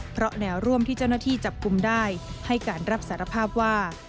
เพราะแนวร่วมที่เจ้าหน้าที่จับกลุ่มได้ให้การรับสารภาพว่า